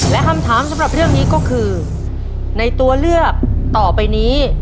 และคำถามสำหรับเรื่องนี้ก็คือในตัวเลือกต่อไปนี้